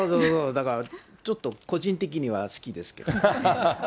だからちょっと個人的には好きですけど。